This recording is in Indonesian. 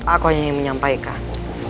aku hanya ingin menyampaikan